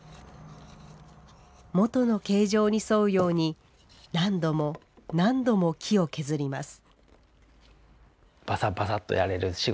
元の形状に沿うように何度も何度も木を削ります。